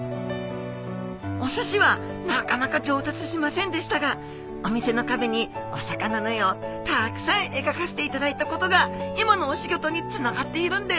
お寿司はなかなか上達しませんでしたがお店のかべにお魚の絵をたくさんえがかせていただいたことが今のお仕事につながっているんです。